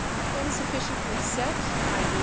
When sufficiently set, _i.e.